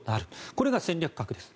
これが戦略核です。